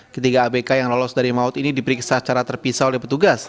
ketiga abk yang lolos dari maut ini diperiksa secara terpisah oleh petugas